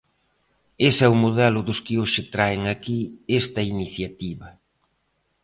Ese é o modelo dos que hoxe traen aquí esta iniciativa.